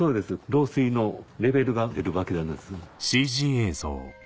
漏水のレベルが出るわけなんです。